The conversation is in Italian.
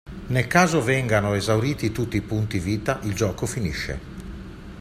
Nel caso vengano esauriti tutti i punti vita il gioco finisce.